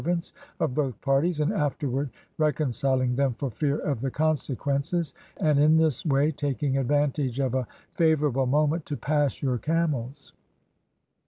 ants of both parties, and afterT\ ard reconciling them for fear of the consequences, and in this way taking advantage of a fa vorable moment to pass your camels.